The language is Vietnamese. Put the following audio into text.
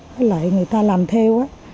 với lại người ta làm theo